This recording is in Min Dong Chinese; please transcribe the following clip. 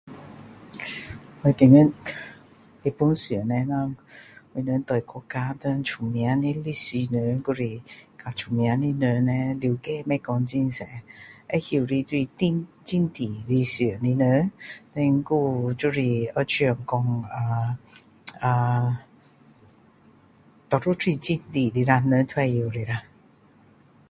我觉得一般上我们对国家的出名的历史人还是比较出名叻了解不会很多会懂的就是很久以前的人 then 还有就是像说呃多数都是很远的啦都会懂的啦